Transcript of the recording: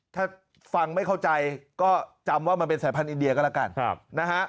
ถ้าฟังไม่เข้าใจก็จำว่ามันเป็นสายพันธุอินเดียก็แล้วกันนะฮะ